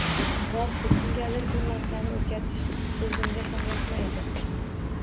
Rosti, kimgadir bu narsani o’rgatish o’zimga ham yoqmaydi